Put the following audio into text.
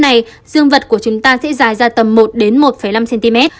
vì vậy dương vật của chúng ta sẽ dài ra tầm một một năm cm